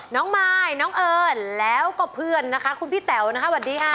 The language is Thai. มายน้องเอิญแล้วก็เพื่อนนะคะคุณพี่แต๋วนะคะสวัสดีค่ะ